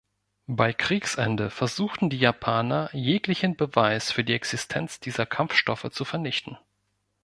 Bei Kriegsende versuchten die Japaner jeglichen Beweis für die Existenz dieser Kampfstoffe zu vernichten.